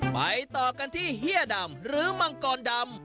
ไปต่อกันที่เฮียดำหรือมังกรดำ